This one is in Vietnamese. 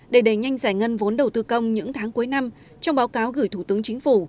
để đẩy nhanh giải ngân vốn đầu tư công những tháng cuối năm trong báo cáo gửi thủ tướng chính phủ